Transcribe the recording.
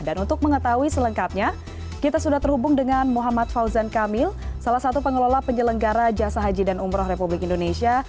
dan untuk mengetahui selengkapnya kita sudah terhubung dengan muhammad fauzan kamil salah satu pengelola penyelenggara jasa haji dan umroh republik indonesia